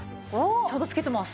ちゃんと着けてます。